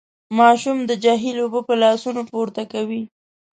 ماشوم د جهيل اوبه په لاسونو پورته کړې.